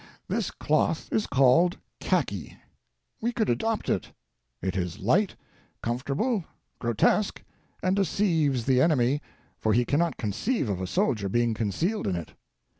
This cloth is called khaki. We could adopt it. It is light, com fortable., grotesque, and deceives the enemy, for he cannot conceive of a soldier being concealed in it.